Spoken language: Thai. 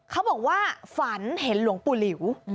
เขาบอกว่าฝันเห็นหลวงปู่หลิว